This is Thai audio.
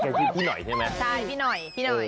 ใช่พี่หน่อยพี่หน่อย